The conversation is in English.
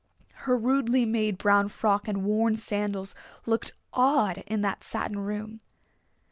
Her rudely made brown frock and worn sandals looked odd in that satin room.